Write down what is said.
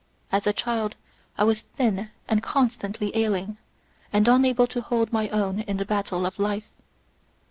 As a child, I was thin and constantly ailing, and unable to hold my own in the battle of life.